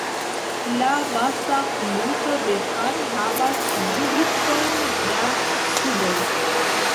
La basa fluto de Pan havas du vicojn da tuboj.